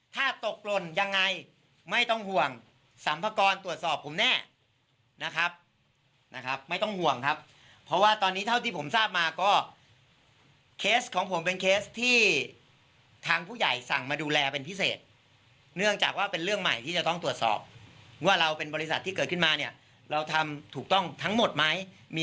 ทั้งหมดไหมมีอะไรเคลือบแคลงไหม